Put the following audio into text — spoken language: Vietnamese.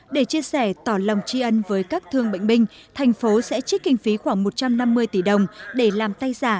để chia sẻ tỏ lòng tri ân với các thương bệnh binh thành phố sẽ trích kinh phí khoảng một trăm năm mươi tỷ đồng để làm tay giả